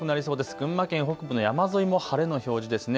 群馬県北部の山沿いも晴れの表示ですね。